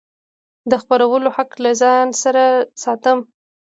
د خپرولو حق له ځان سره ساتم.